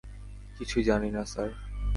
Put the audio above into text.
কিছু জানি না, স্যার।